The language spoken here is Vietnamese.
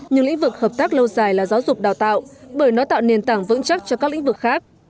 nhưng lĩnh vực hợp tác lâu dài là giáo dục đào tạo bởi nó tạo nền tảng vững chắc cho các lĩnh vực khác